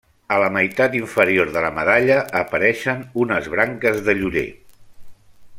A la meitat inferior de la medalla apareixen unes branques de llorer.